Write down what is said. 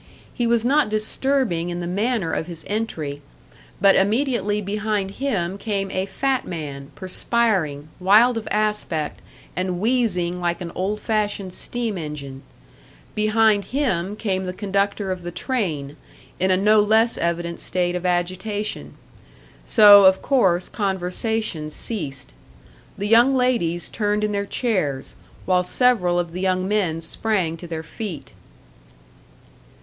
He was not disturbing in the manner of his entry; but immediately behind him came a fat man, perspiring, wild of aspect, and wheezing like an old fashioned steam engine; behind him came the conductor of the train, in a no less evident state of agitation. So, of course, conversation ceased. The young ladies turned in their chairs, while several of the young men sprang to their feet.